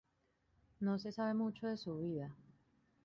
No se sabe mucho de su vida.